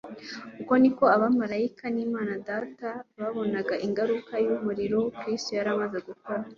uko niko abamaraika n'Imana Data babonaga ingaruka y'umurimo Kristo yari amaze gukora.